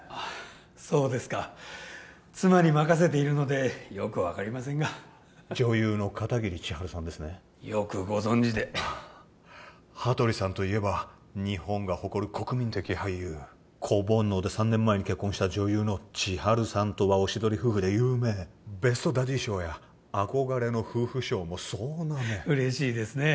そうですか妻に任せているのでよく分かりませんが女優の片桐千晴さんですねよくご存じで羽鳥さんといえば日本が誇る国民的俳優子ぼんのうで３年前に結婚した女優の千晴さんとはおしどり夫婦で有名ベストダディー賞や憧れの夫婦賞も総なめ嬉しいですね